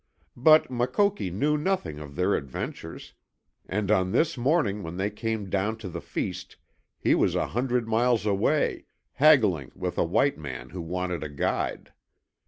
But Makoki knew nothing of their adventures, and on this morning when they came down to the feast he was a hundred miles away, haggling with a white man who wanted a guide.